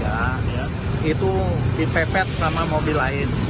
di mana itu dipepet sama mobil lain